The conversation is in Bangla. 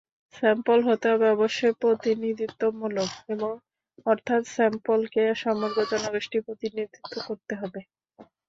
স্যাম্পল হতে হবে অবশ্যই প্রতিনিধিত্ব মূলক, অর্থাৎ স্যাম্পলকে সমগ্র জনগোষ্ঠীর প্রতিনিধিত্ব করতে হবে।